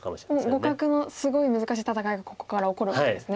もう互角のすごい難しい戦いがここから起こるわけですね。